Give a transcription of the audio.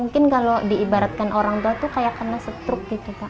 kalau diibaratkan orang tua kayak kena struk